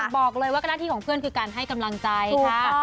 บอกเลยว่าหน้าที่ของเพื่อนคือการให้กำลังใจค่ะ